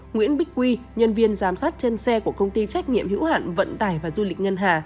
nguyễn bích quy nhân viên giám sát trên xe của công ty trách nhiệm hữu hạn vận tải và du lịch ngân hà